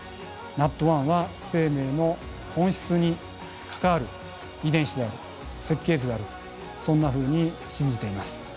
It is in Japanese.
ＮＡＴ１は生命の本質に関わる遺伝子である設計図であるとそんなふうに信じています。